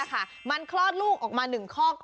บรรยากมงคล